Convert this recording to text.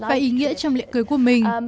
và ý nghĩa trong lễ cưới của mình